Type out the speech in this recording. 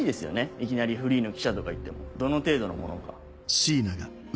いきなりフリーの記者とか言ってもどの程度のものか。